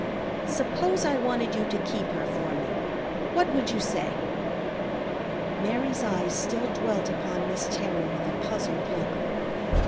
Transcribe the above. "Suppose I wanted you to keep her for me, what would you say?" Mary's eyes still dwelt upon Miss Terry with a puzzled look.